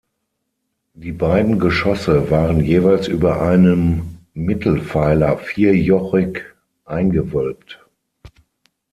Die beiden Geschosse waren jeweils über einem Mittelpfeiler vierjochig eingewölbt.